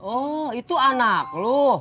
oh itu anak lu